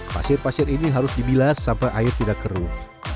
pasir pasir ini harus dibilas sampai air tidak keruh